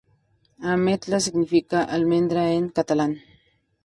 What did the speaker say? Ametlla significa 'almendra' en catalán.